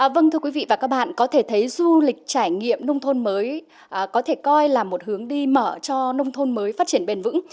vâng thưa quý vị và các bạn có thể thấy du lịch trải nghiệm nông thôn mới có thể coi là một hướng đi mở cho nông thôn mới phát triển bền vững